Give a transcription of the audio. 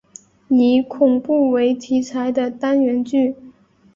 以恐怖为题材的单元剧。